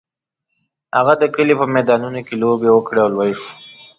هغه د کلي په میدانونو کې لوبې وکړې او لوی شو.